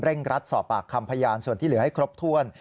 รัดสอบปากคำพยานส่วนที่เหลือให้ครบถ้วน